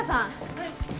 はい。